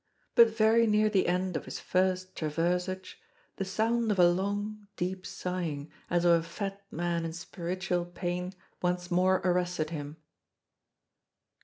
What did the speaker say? But very near the end of his first traversage, the sound of a long, deep sighing, as of a fat man in spiritual pain, once more arrested him.